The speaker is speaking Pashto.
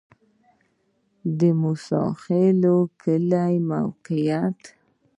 د موسی خیل کلی موقعیت